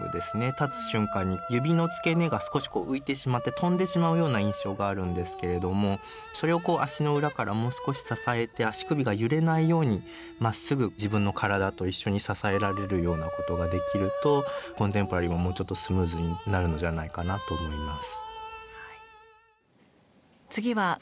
立つ瞬間に指の付け根が少し浮いてしまって跳んでしまうような印象があるんですけれどもそれを足の裏からもう少し支えて足首が揺れないようにまっすぐ自分の体と一緒に支えられるようなことができるとコンテンポラリーももうちょっとスムーズになるんじゃないかなと思います。